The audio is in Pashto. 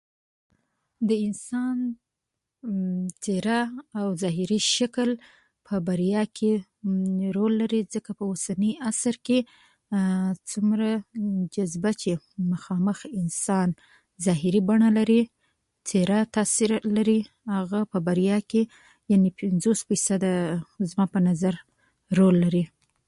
د انسان څیره او ظاهري شکل په بریا کې رول لري ځکه په اوسني عصر کې څومره جذبه چې مخامخ انسان ظاهري بڼه لري څیره تاثیر لري هغه په بریا کې يعني ٥٠ فیصده زما په نظر رول لري.